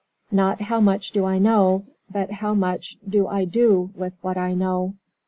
Not how much do I know, but how much do I do with what I know?"